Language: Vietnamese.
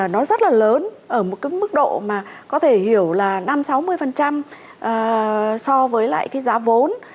nó rất là lớn ở một cái mức độ mà có thể hiểu là năm sáu mươi so với lại cái giá vốn